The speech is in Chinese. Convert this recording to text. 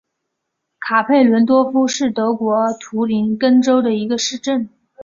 卡佩伦多夫是德国图林根州的一个市镇。